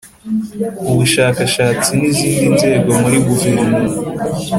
ubushakashatsi n izindi nzego muri guverinoma